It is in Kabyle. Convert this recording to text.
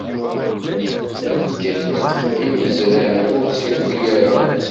Mellken-t imezran, ur tt-yufi ara.